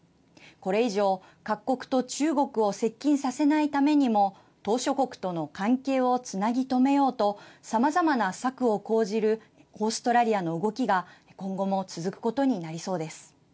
これ以上、各国と中国を接近させないためにも島しょ国との関係をつなぎとめようとさまざまな策を講じるオーストラリアの動きが今後も続くことになりそうです。